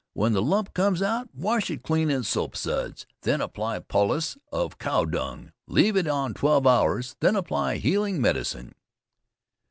When the lump comes out, wash it clean in soap suds, then apply a poultice of cow dung, leave it on twelve hours, then apply healing medicine.